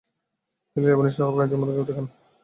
তিনি লাইবনিজ সহ তার কয়েকজান বন্ধুকে দেখান।